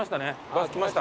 バス来ました。